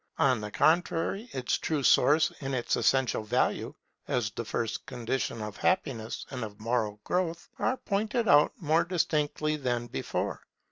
On the contrary its true source and its essential value, as the first condition of happiness and of moral growth, are pointed out more distinctly than before.